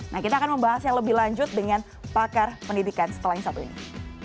nah kita akan membahasnya lebih lanjut dengan pakar pendidikan setelah yang satu ini